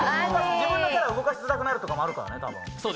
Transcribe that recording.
自分のキャラを動かしづらくなるとかもあるからね。